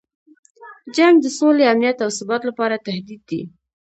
جنګ د سولې، امنیت او ثبات لپاره تهدید دی.